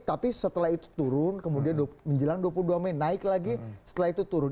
tapi setelah itu turun kemudian menjelang dua puluh dua mei naik lagi setelah itu turun